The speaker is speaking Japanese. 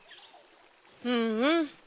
うんうん。